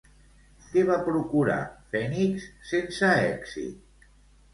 Què va procurar, Fènix, sense èxit?